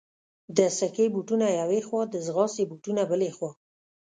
د سکې بوټونه یوې خوا، د ځغاستې بوټونه بلې خوا.